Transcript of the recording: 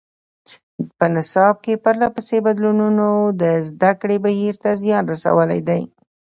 په نصاب کې پرله پسې بدلونونو د زده کړې بهیر ته زیان رسولی دی.